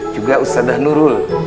juga ustadzah nurul